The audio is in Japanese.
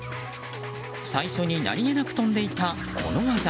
最初に何気なく跳んでいたこの技。